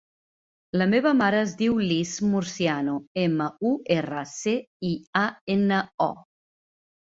La meva mare es diu Lis Murciano: ema, u, erra, ce, i, a, ena, o.